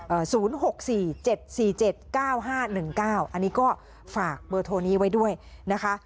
ศูนย์หกสี่เจ็ดสี่เจ็ดเก้าห้าหนึ่งเก้าอันนี้ก็ฝากเบอร์โทรนี้ไว้ด้วยนะคะ